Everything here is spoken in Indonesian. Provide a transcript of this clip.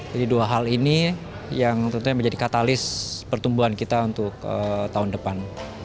jadi dua hal ini yang tentunya menjadi katalis pertumbuhan kita untuk tahun depan